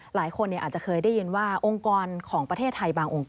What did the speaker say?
หลายคนอาจจะเคยได้ยินว่าองค์กรของประเทศไทยบางองค์ค